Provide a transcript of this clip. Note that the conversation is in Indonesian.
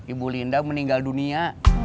ibu linda meninggal dunia